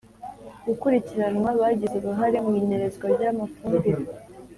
gukurikiranwa bagize uruhare mu inyerezwa ry'amafumbire